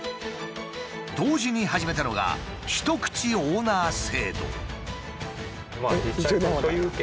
同時に始めたのが一口オーナー制度。